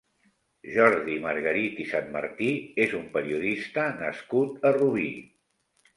Jordi Margarit i Sanmartí és un periodista nascut a Rubí.